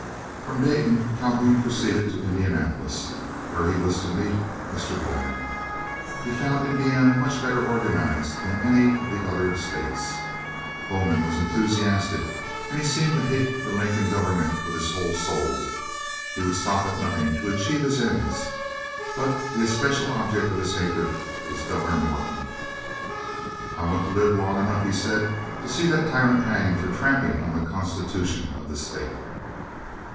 From Dayton Calhoun proceeded to Indianapolis, where he was to meet Mr. Bowman. He found Indiana much better organized than any of the other states. Bowman was enthusiastic, and he seemed to hate the Lincoln government with his whole soul. He would stop at nothing to achieve his ends. But the especial object of his hatred was Governor Morton. "I want to live long enough," he said, "to see that tyrant hanged for trampling on the constitution of the state."